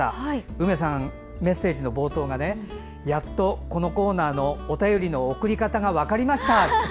うめさん、メッセージの冒頭がやっとこのコーナーのお便りの送り方が分かりましたって。